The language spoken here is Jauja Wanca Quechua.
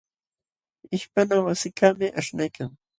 Ishpana wasikaqmi aśhnaykan.